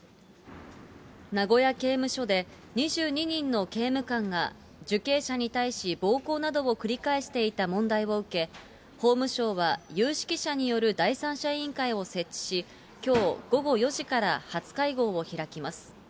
名古屋刑務所で、２２人の刑務官が、受刑者に対し暴行などを繰り返していた問題を受け、法務省は有識者による第三者委員会を設置し、きょう午後４時から初会合を開きます。